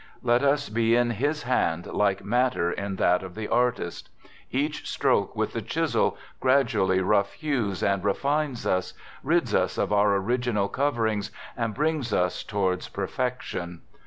Let us be in His hand like matter in that of the artist. Each stroke with the chisel gradually rough hews and refines us, rids us of our original coverings and brings us towards perfection.